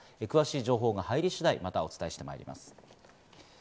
詳しい情報が入り次第、またお伝えしてまいります。